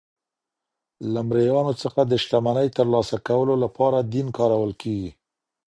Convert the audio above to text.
له مریانو څخه د شتمنۍ ترلاسه کولو لپاره دین کارول کیږي.